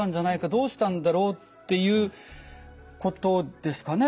どうしたんだろう」っていうことですかね。